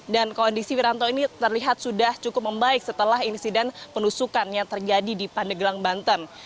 kondisi wiranto ini terlihat sudah cukup membaik setelah insiden penusukan yang terjadi di pandeglang banten